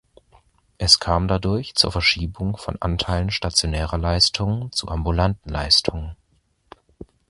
Es kam dadurch zur Verschiebung von Anteilen stationärer Leistungen zu ambulanten Leistungen.